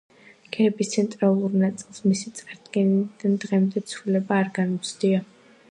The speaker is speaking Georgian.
გერბის ცენტრალური ნაწილს მისი წარდგენიდან დღემდე, ცვლილება არ განუცდია.